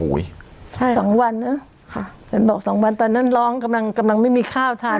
ใช่สองวันเนอะค่ะฉันบอกสองวันตอนนั้นร้องกำลังกำลังไม่มีข้าวทาน